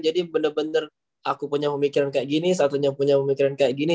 jadi bener bener aku punya pemikiran kayak gini satunya punya pemikiran kayak gini